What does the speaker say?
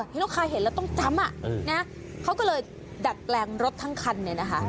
ที่ลูกค้าเห็นแล้วต้องจำเขาก็เลยดัดแปลงรถทั้งคัน